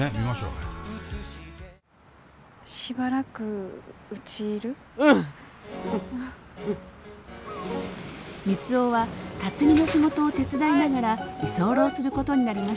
三生は龍己の仕事を手伝いながら居候することになりました。